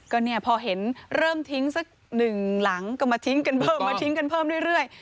ก็เนี่ยพอเห็นเริ่มทิ้งสักหนึ่งหลังก็มาทิ้งกันเพิ่มมาทิ้งกันเพิ่มเรื่อย